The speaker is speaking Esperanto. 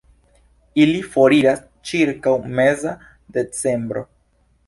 Ili foriras ĉirkaŭ meza decembro.